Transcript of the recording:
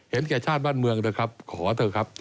เห็นแก่ชาติบ้านเมืองนะครับขอเถอะครับ